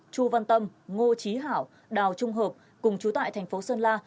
chu văn tâm ngô trí hảo đào trung hợp cùng chú tại tp xuân la